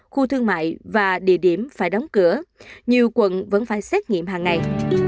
khu thương mại và địa điểm phải đóng cửa nhiều quận vẫn phải xét nghiệm hàng ngày